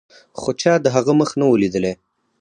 خو چا د هغه مخ نه و لیدلی.